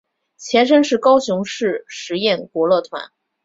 前身是高雄市实验国乐团。